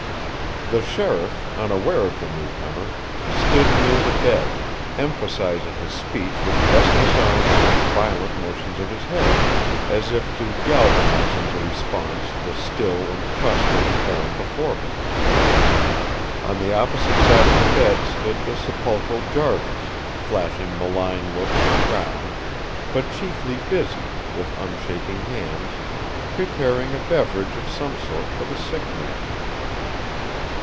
The sheriff, unaware of the newcomer, stood near the bed, emphasizing his speech with restless arms and violent motions of his head, as if to galvanize into response the still and prostrate form before him. On the opposite side of the bed stood the sepulchral Jarvis, flashing malign looks at Crown, but chiefly busy, with unshaking hands, preparing a beverage of some sort for the sick man.